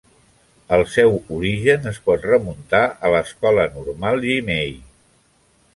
El seu origen es pot remuntar a l'Escola normal Jimei.